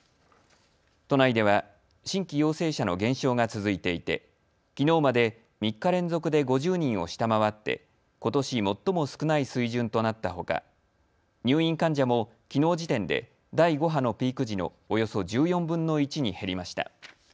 都内では新規陽性者の減少が続いていてきのうまで３日連続で５０人を下回ってことし最も少ない水準となったほか入院患者もきのう時点で第５波のピーク時のおよそ１４分の１に減りました。